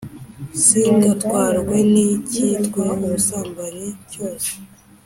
Singatwarwe n’icyitwa ubusambanyi cyose,